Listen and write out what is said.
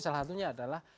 salah satunya adalah